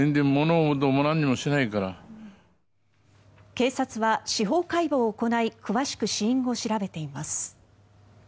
警察は司法解剖を行い詳しく死因を調べています。